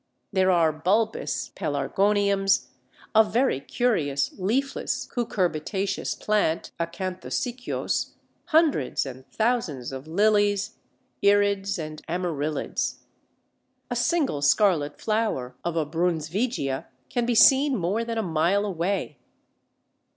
There are bulbous Pelargoniums, a very curious leafless cucurbitaceous plant (Acanthosicyos), hundreds and thousands of Lilies, Irids, and Amaryllids. A single scarlet flower of a Brunsvigia can be seen more than a mile away!